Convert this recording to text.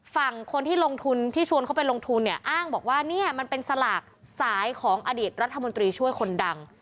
ฝั่งคนที่ลงทุนที่ชวนเขาไปลงทุนเนี่ยอ้างบอกว่าเนี่ยมันเป็นสลากสายของอดีตรัฐมนตรีช่วยคนดัง